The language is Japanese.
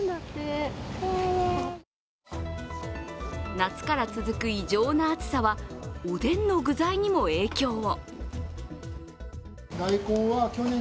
夏から続く異常な暑さはおでんの具材にも影響を。